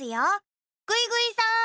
ぐいぐいさん！